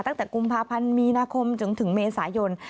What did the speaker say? ตั้งแต่กุมภาพันธ์มีนาคมจนถึงเมษายน